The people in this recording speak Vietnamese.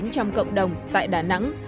trong cộng đồng tại đà nẵng